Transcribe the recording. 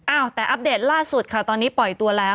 อ้าวแต่อัปเดตล่าสุดค่ะตอนนี้ปล่อยตัวแล้ว